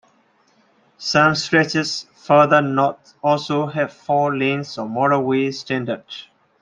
Some stretches further north also have four lanes or motorway standard.